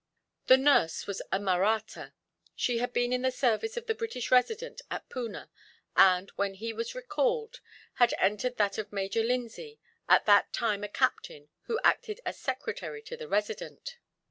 The nurse was a Mahratta. She had been in the service of the British Resident at Poona and, when he was recalled, had entered that of Major Lindsay, at that time a captain who acted as secretary to the Resident.